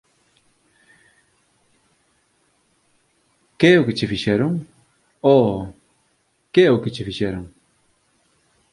“Que é o que che fixeron? Oh, que é o que che fixeron?”